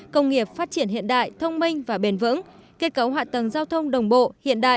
công nghiệp phát triển hiện đại thông minh và bền vững kết cấu hạ tầng giao thông đồng bộ hiện đại